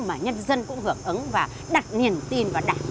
mà nhân dân cũng hưởng ứng và đặt niềm tin và đảm nhờ hơn